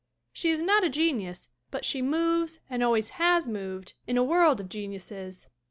She is not a genius but she moves and always has moved in a world of geniuses.